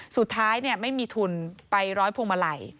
สุดท้ายไม่มีทุนไปร้อยพวงมาลัย